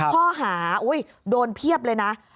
ข้อหาโดนเพียบเลยนะ